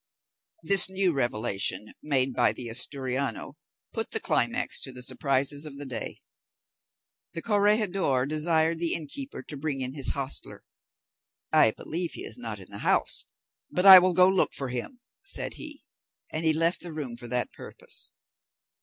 This new revelation made by the Asturiano put the climax to the surprises of the day. The corregidor desired the innkeeper to bring in his hostler. "I believe he is not in the house, but I will go look for him," said he, and he left the room for that purpose.